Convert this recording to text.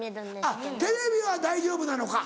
あっテレビは大丈夫なのか！